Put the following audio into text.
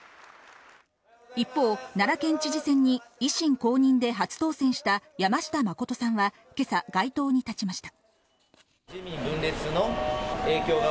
一方、奈良県知事選に維新公認で初当選した山下真さんは今朝、街頭に立ちました。